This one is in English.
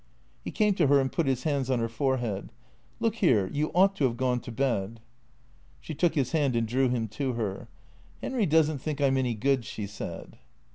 He came to her and put his hands on her forehead. " Look here. Y^ou ought to have gone to bed." She took his hand and drew him to her. " Henry does n't think I 'm any good," she said.